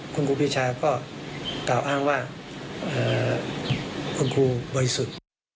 คิดว่าเอ่อคุณครูเบยสุด